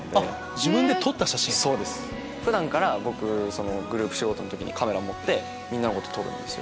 自分で撮った写真⁉普段から僕グループ仕事の時にカメラを持ってみんなのこと撮るんですよ。